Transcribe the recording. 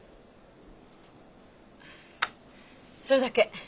それだけ。